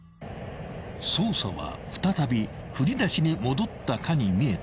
［捜査は再び振り出しに戻ったかに見えたが］